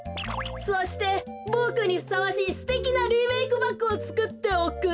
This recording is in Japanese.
そしてボクにふさわしいすてきなリメークバッグをつくっておくれ。